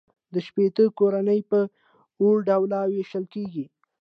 دا شپیته کورنۍ په اووه ډلو وېشل کېږي